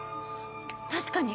確かに！